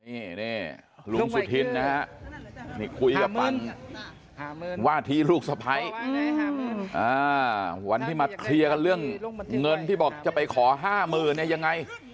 นี่ลุงสุธินนะฮะนี่คุยกับปันวาทีลูกสะพ้ายวันที่มาเคลียร์กันเรื่องเงินที่บอกจะไปขอ๕๐๐๐เนี่ยยังไง